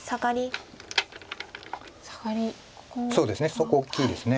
そこ大きいです。